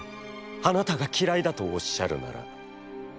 あなたがきらいだとおっしゃるなら」。